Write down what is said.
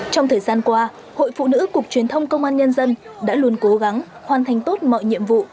trong thời gian qua hội phụ nữ cục truyền thông công an nhân dân đã luôn cố gắng hoàn thành tốt mọi nhiệm vụ